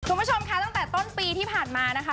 คุณผู้ชมคะตั้งแต่ต้นปีที่ผ่านมานะคะ